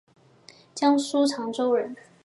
江苏长洲人。